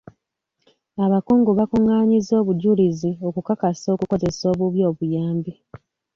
Abakungu bakungaanyizza obujulizi okukakasa okukozesa obubi obuyambi.